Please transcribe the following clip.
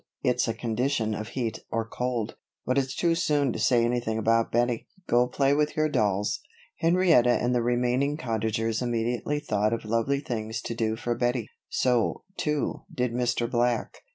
It's a condition of heat or cold. But it's too soon to say anything about Bettie go play with your dolls." Henrietta and the remaining Cottagers immediately thought of lovely things to do for Bettie. So, too, did Mr. Black.